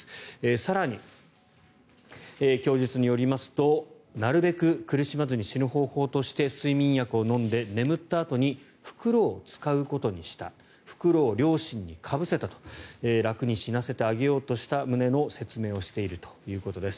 更に、供述によりますとなるべく苦しまずに死ぬ方法として睡眠薬を飲んで眠ったあとに袋を使うことにした袋を両親にかぶせたと楽に死なせてあげようとした旨の説明をしているということです。